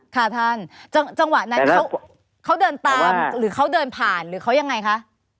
ค่ะท่านจังหวะนั้นเขาเดินตามหรือเขาเดินผ่านหรือเขายังไงคะ